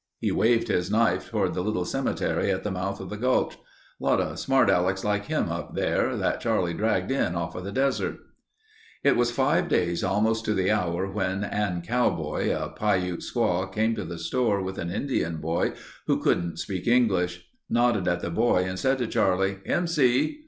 He waved his knife toward the little cemetery at the mouth of the gulch. "Lot of smart Alecs like him up there, that Charlie dragged in offa the desert." It was five days almost to the hour when Ann Cowboy, a Piute squaw came to the store with an Indian boy who couldn't speak English; nodded at the boy and said to Charlie: "Him see...."